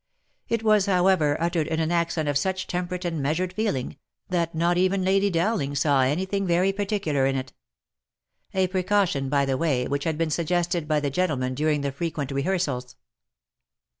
It was, however, uttered in an accent of such temperate and measured feeling, that not even Lady Dowling saw anything very particular in it. A precaution by the way, which had been suggested by the gen tlemen during the frequent rehearsals.